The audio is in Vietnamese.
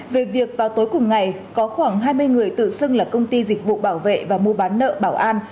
về việc vào tối cùng ngày có khoảng hai mươi người tự xưng là công ty dịch vụ bảo vệ và mua bán nợ bảo an